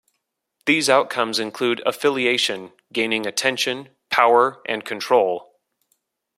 These outcomes include affiliation, gaining attention, power and control.